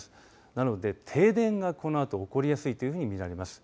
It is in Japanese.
なので停電がこのあと起こりやすいというふうに見られます。